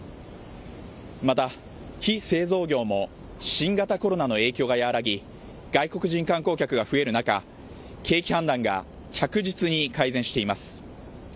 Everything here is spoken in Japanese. また非製造業も新型コロナの影響が和らぎ外国人観光客が増える中、景気判断が着実に改善しています。